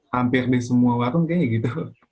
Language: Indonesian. hampir di semua warung kayaknya gitu